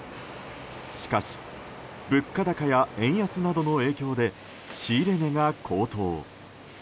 しかし、物価高や円安などの影響で仕入れ値が高騰。